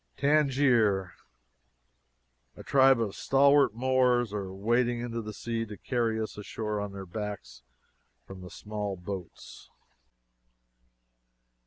Tangier! A tribe of stalwart Moors are wading into the sea to carry us ashore on their backs from the small boats.